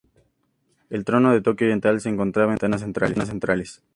El trono, de toque oriental, se encontraba entre los ventanales centrales.